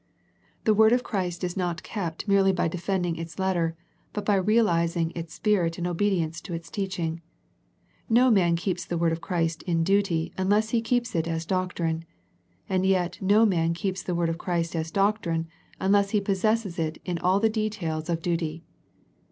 The word of Christ is not kept merely by defending its letter but by realizing its spirit in obedience to its teaching. No man keeps the word of Christ in duty unless he keeps it as doctrine; and yet no man keeps the word of Christ as doctrine unless he possess it in all the details of duty.